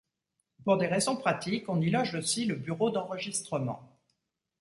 Pour des raisons pratique, on y loge aussi le bureau d'enregistrement.